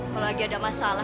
kalau lagi ada masalah